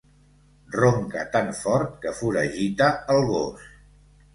Ronca tan fort que foragita el gos.